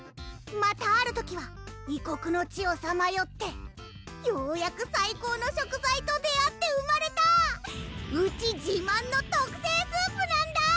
またある時は異国の地をさまよってようやく最高の食材と出会って生まれたうち自慢の特製スープなんだ！